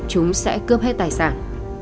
chúng sẽ cướp hết tài sản